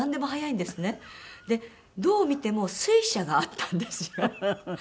でどう見ても水車があったんですよ。